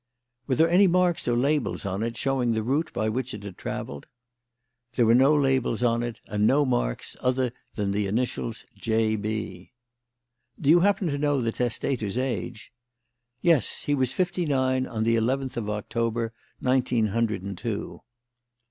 "Were there any marks or labels on it showing the route by which it had travelled?" "There were no labels on it and no marks other than the initials 'J.B.'" "Do you happen to know the testator's age?" "Yes. He was fifty nine on the eleventh of October, nineteen hundred and two."